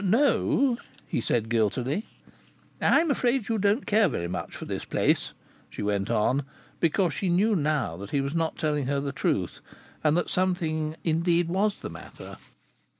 "No," he said guiltily. "I'm afraid you don't very much care for this place," she went on, because she knew now that he was not telling her the truth, and that something, indeed, was the matter.